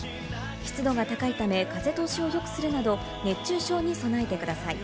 湿度が高いため、風通しをよくするなど、熱中症に備えてください。